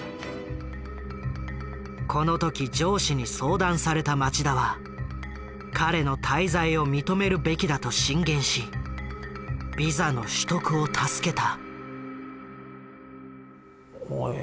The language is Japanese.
この時上司に相談された町田は彼の滞在を認めるべきだと進言しビザの取得を助けた。